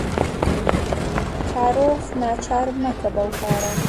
کارۆخ ناچار مەکە بەو کارە.